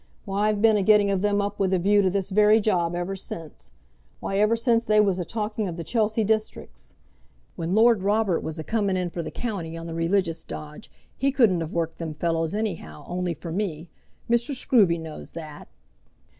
Why I've been a getting of them up with a view to this very job ever since; why ever since they was a talking of the Chelsea districts. When Lord Robert was a coming in for the county on the religious dodge, he couldn't have worked them fellows anyhow, only for me. Mr. Scruby knows that."